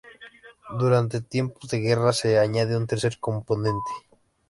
Durante tiempos de guerra, se añade un tercer componente.